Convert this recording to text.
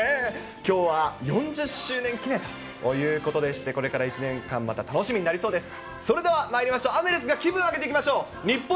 きょうは４０周年記念ということでこれから１年間、また楽しみになりそうです。